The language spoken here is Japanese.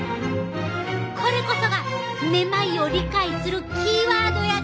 これこそがめまいを理解するキーワードやで！